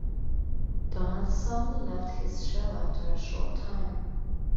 Donaldson left his show after a short time.